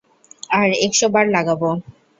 আর একশো বার লাগাবো!